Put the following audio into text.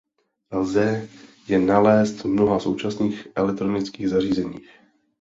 Lze je nalézt v mnoha současných elektronických zařízeních.